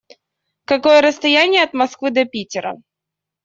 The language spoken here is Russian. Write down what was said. Какое расстояние от Москвы до Питера?